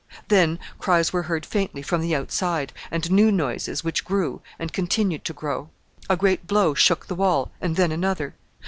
Then cries were heard faintly from the outside, and new noises, which grew, and continued to grow. A great blow shook the wall, and then another.